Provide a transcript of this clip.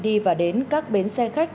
đi và đến các bến xe khách